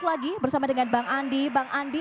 lagi bersama dengan bang andi bang andi